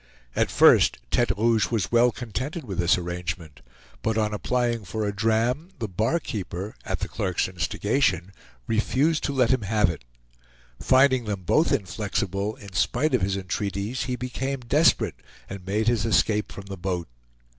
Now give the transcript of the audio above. At first Tete Rouge was well contented with this arrangement, but on applying for a dram, the barkeeper, at the clerk's instigation, refused to let him have it. Finding them both inflexible in spite of his entreaties, he became desperate and made his escape from the boat.